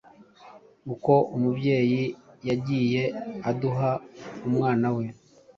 uko umubyeyi yagiye aduha umwana we